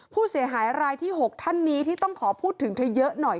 ผู้เสียหายรายที่๖ท่านนี้ที่ต้องขอพูดถึงเธอเยอะหน่อย